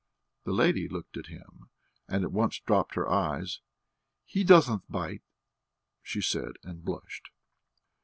The lady looked at him and at once dropped her eyes. "He doesn't bite," she said, and blushed.